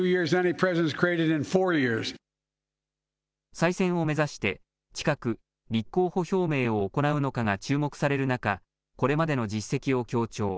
再選を目指して、近く、立候補表明を行うのかが注目される中、これまでの実績を強調。